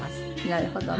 なるほどね。